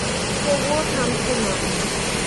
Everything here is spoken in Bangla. তবুও থামছো না।